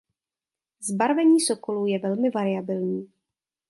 Zbarvení sokolů je velmi variabilní.